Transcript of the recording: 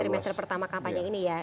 dalam trimester pertama kampanye ini ya